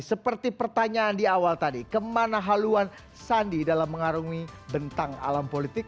seperti pertanyaan di awal tadi kemana haluan sandi dalam mengarungi bentang alam politik